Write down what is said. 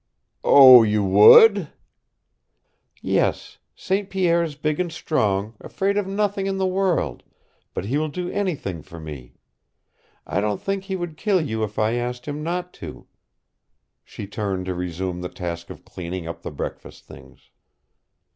"Oh, you would!" "Yes. St. Pierre is big and strong, afraid of nothing in the world, but he will do anything for me. I don't think he would kill you if I asked him not to." She turned to resume her task of cleaning up the breakfast things.